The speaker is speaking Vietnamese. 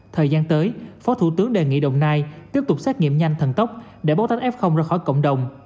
thời gian tới phó thủ tướng đề nghị đồng nai tiếp tục xét nghiệm nhanh thần tốc để bóc tách f ra khỏi cộng đồng